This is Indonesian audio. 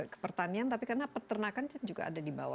ke pertanian tapi karena peternakan juga ada di bawah